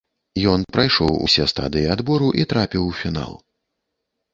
Ён прайшоў усе стадыі адбору і трапіў у фінал.